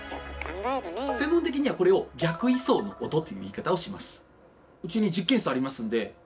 専門的にはこれを「逆位相の音」という言い方をします。